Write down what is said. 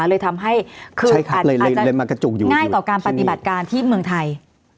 อันนี้มันทำให้อาจจะดูง่ายต่อการปฏิบัติการที่เมืองไทย